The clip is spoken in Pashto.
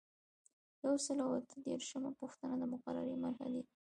یو سل او اته دیرشمه پوښتنه د مقررې مرحلې دي.